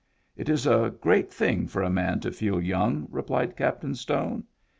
" It is a great thing for a man to feel young," replied Captain Stone.